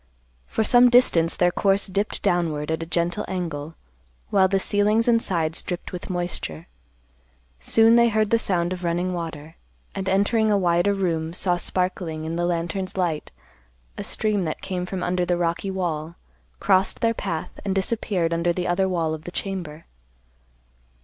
For some distance their course dipped downward at a gentle angle, while the ceilings and sides dripped with moisture. Soon they heard the sound of running water, and entering a wider room saw sparkling in the lantern's light a stream that came from under the rocky wall, crossed their path, and disappeared under the other wall of the chamber.